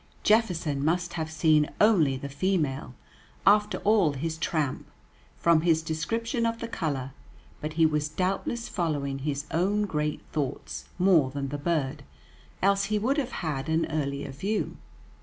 Jefferson must have seen only the female, after all his tramp, from his description of the color; but he was doubtless following his own great thoughts more than the bird, else he would have had an earlier view.